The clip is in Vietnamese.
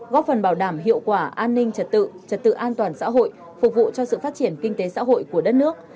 góp phần bảo đảm hiệu quả an ninh trật tự trật tự an toàn xã hội phục vụ cho sự phát triển kinh tế xã hội của đất nước